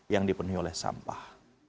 yang dipenuhi oleh sampah